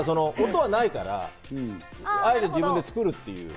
音はないから、あえて自分で作るっていう。